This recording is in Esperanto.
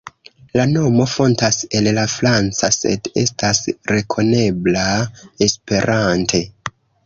La nomo fontas el la franca, sed estas rekonebla Esperante.